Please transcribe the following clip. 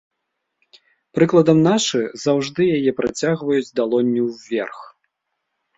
Прыкладам, нашы заўжды яе працягваюць далонню ўверх.